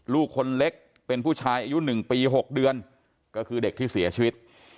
ลูกคนเล็กเป็นผู้ชายอายุ๑ปี๖เดือนก็คือเด็กที่เสียชีวิต